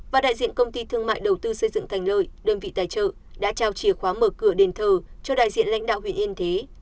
và đại diện công ty thương mại đầu tư xây dựng thành lợi đơn vị tài trợ đã trao chìa khóa mở cửa đền thờ cho đại diện lãnh đạo huyện yên thế